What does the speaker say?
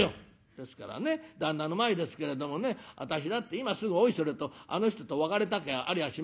「ですからね旦那の前ですけれどもね私だって今すぐおいそれとあの人と別れたきゃありゃしませんよ。